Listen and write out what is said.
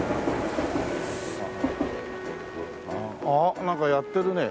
あっなんかやってるね。